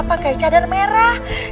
pakai cadar merah